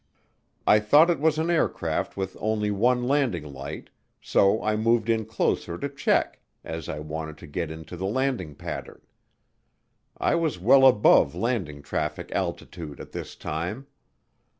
I thought it was an aircraft with only one landing light so I moved in closer to check, as I wanted to get into the landing pattern. I was well above landing traffic altitude at this time.